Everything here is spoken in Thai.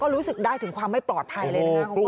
รู้สึกได้ถึงความไม่ปลอดภัยเลยนะครับ